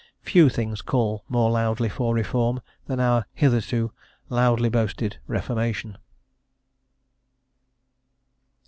Few things call more loudly for Reform than our hitherto loudly boasted Reformation.